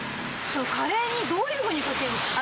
カレーにどういうふうにかける。